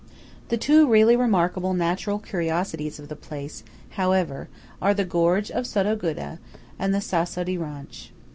The two really remarkable natural curiosities of the place, however, are the gorge of Sottoguda and the Sasso di Ronch.